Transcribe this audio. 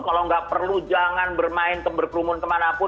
kalau nggak perlu jangan bermain berkerumun kemana pun